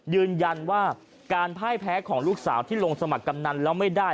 ยืนยันว่าการพ่ายแพ้ของลูกสาวที่ลงสมัครกำนันแล้วไม่ได้